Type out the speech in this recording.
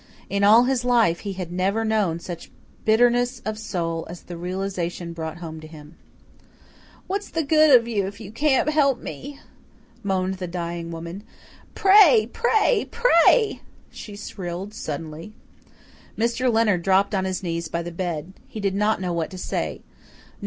In all his life he had never known such bitterness of soul as the realization brought home to him. "What is the good of you if you can't help me?" moaned the dying woman. "Pray pray pray!" she shrilled suddenly. Mr. Leonard dropped on his knees by the bed. He did not know what to say.